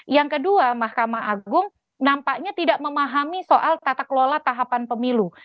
yang kedua mahkamah agung nampaknya tidak memahami soal tata kelola tahapan pemilu